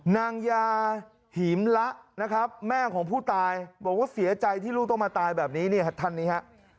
นางยาหิมละนะครับแม่ของผู้ตายบอกว่าเสียใจที่ลูกต้องมาตายแบบนี้เนี่ยท่านนี้ฮะ